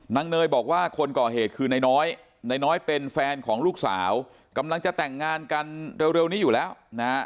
เนยบอกว่าคนก่อเหตุคือนายน้อยนายน้อยเป็นแฟนของลูกสาวกำลังจะแต่งงานกันเร็วนี้อยู่แล้วนะฮะ